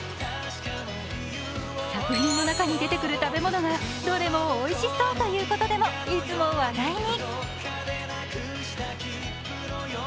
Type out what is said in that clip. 作品の中に出てくる食べ物がどれもおいしそうということでもいつも話題に。